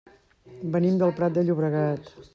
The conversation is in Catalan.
Venim del Prat de Llobregat.